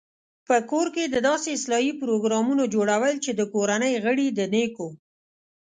په کور کې د داسې اصلاحي پروګرامونو جوړول چې د کورنۍ غړي د نېکو